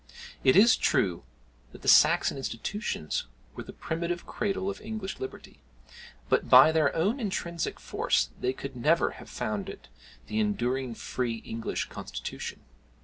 It is true that the Saxon institutions were the primitive cradle of English liberty, but by their own intrinsic force they could never have founded the enduring free English constitution.